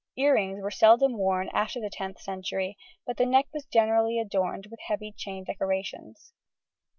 Ear rings were seldom worn after the 10th century; but the neck was generally adorned with heavy chain decorations.